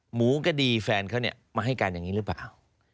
หมูก็ดีแฟนเขาเนี่ยมาให้การอย่างนี้หรือเปล่า